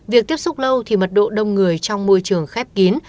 việc tiếp xúc lâu thì mật độ đông người trong môi trường khép kín